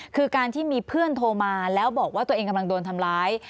คือการที่มีเพื่อนโทรมาแล้วบอกว่าตัวเองกำลังโดนทำร้าย